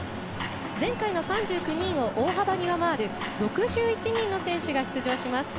前回の３９人を大幅に上回る６１人の選手が出場します。